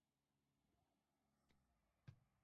“Rahbar va yoshlar loyhasi"